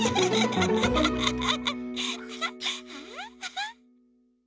ハハハ！